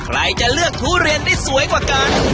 ใครจะเลือกทุเรียนได้สวยกว่ากัน